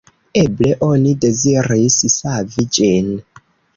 Eble oni deziris savi ĝin.